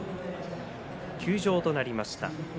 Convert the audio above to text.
休場となりました。